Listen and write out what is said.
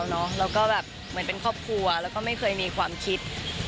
แล้วก็แบบเหมือนเป็นครอบครัวแล้วก็ไม่เคยมีความคิด